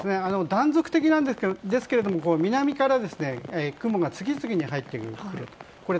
断続的なんですが南から雲が次々に入ってくる。